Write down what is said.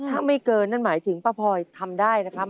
ถ้าไม่เกินนั่นหมายถึงป้าพลอยทำได้นะครับ